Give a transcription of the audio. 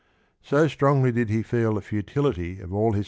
So strongly did he feel the futility of all hi 1 Sro p.